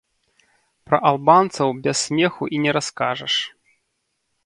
Пра албанцаў без смеху і не раскажаш.